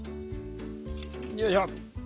よいしょ。